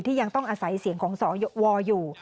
ที่ยังต้องอาศัยเสียงของสอวยกว่าอยู่